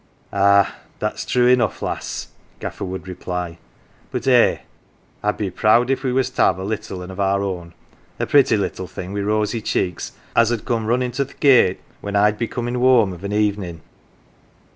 " Ah, that's true enough, lass," Gaffer would reply ;" but eh I'd be proud if we was t' ave a little un of our own. A pretty little thing wi' rosy cheeks as 'ud come runnin' t' th' gate when I'd be comin' whoam of an evenin'."